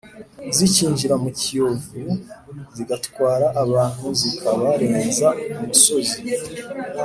zikinjira mu Kiyovu zigatwara abantu zikabarenza umusozi